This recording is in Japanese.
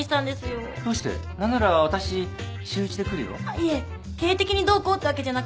いえ経営的にどうこうってわけじゃなくて